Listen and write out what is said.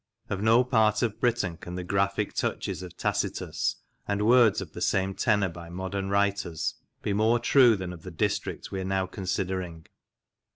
Of no part of Britain can the graphic touches of Tacitus, and words of the same tenor by modern writers, be more true than of the district we are now considering.